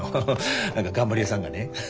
何か頑張り屋さんがね。